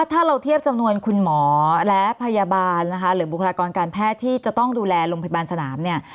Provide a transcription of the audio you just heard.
ถ้าเราเทียบจำนวนคุณหมอและพยาบาลนะคะหรือบุคลากรการแพทย์ที่จะต้องดูแลโรงพยาบาลสนามเนี่ย